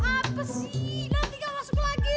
apa sih nanti gak masuk lagi